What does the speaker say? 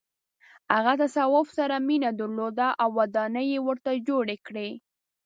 هغه تصوف سره مینه درلوده او ودانۍ یې ورته جوړې کړې.